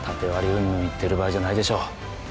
うんぬん言ってる場合じゃないでしょ